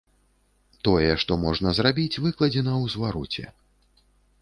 Тое, што можна зрабіць, выкладзена ў звароце.